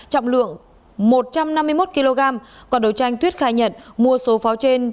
trọng lượng một trăm năm mươi một kg còn đấu tranh tuyết khai nhận mua số pháo trên